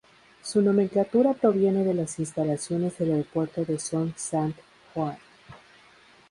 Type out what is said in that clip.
Su nomenclatura proviene de las instalaciones del Aeropuerto de Son Sant Joan.